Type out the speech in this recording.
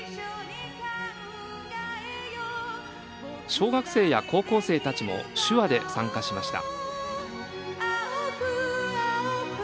小学生や高校生たちも手話で参加しました。